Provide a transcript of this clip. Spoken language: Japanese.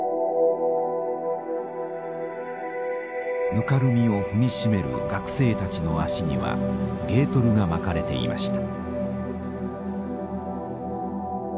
ぬかるみを踏み締める学生たちの足にはゲートルが巻かれていました。